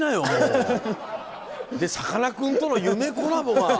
でさかなクンとの夢コラボが。